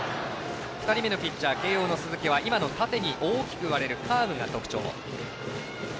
２人目のピッチャー慶応の鈴木は縦に大きく割れるカーブが特徴。